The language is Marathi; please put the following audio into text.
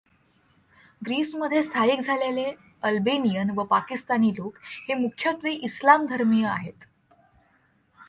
ग्रीस मध्ये स्थायिक झालेले अल्बेनियन व पाकिस्तानी लोक हे मुख्यत्वे इस्लाम धर्मिय आहेत.